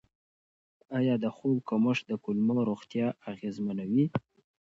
آیا د خوب کمښت د کولمو روغتیا اغېزمنوي؟